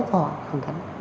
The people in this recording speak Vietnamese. cơ hoạch hoàn thành